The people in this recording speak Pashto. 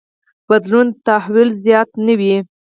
بدلون تحول زیات نه وي.